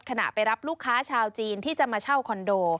ขณะไปรับลูกค้าชาวจีนที่จะมาเช่าคอนโด